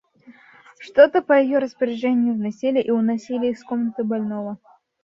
Что-то по ее распоряжению вносили и уносили из комнаты больного.